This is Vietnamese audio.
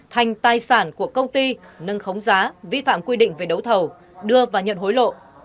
thành tài sản của công ty nâng khống giá vi phạm quy định về đấu thầu đưa và nhận hối lộ